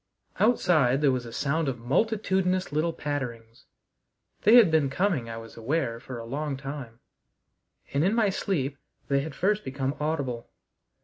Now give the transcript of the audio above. Outside there was a sound of multitudinous little patterings. They had been coming, I was aware, for a long time, and in my sleep they had first become audible.